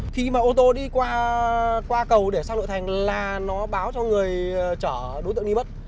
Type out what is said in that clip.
khi mà ô tô đi qua cầu để sang nội thành là nó báo cho người chở đối tượng đi mất